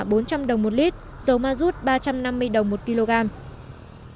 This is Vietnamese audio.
cơ quan điều hành cũng cho phép giữ nguyên mức trích lập quỹ bình ổn với các mặt hàng xăng e năm